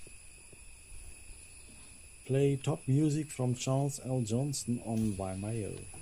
Play top music from Charles L. Johnson on vimeo